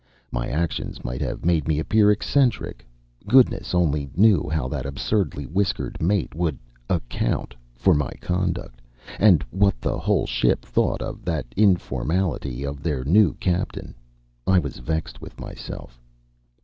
My action might have made me appear eccentric. Goodness only knew how that absurdly whiskered mate would "account" for my conduct, and what the whole ship thought of that informality of their new captain. I was vexed with myself.